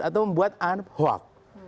atau membuat unhook